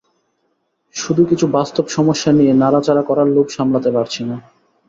শুধু কিছু বাস্তব সমস্যা নিয়ে নাড়াচাড়া করার লোভ সামলাতে পারছি না।